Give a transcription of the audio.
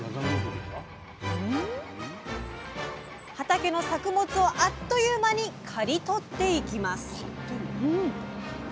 畑の作物をあっという間に刈り取っていきます。